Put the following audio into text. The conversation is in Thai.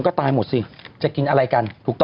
พี่เราหลุดมาไกลแล้วฝรั่งเศส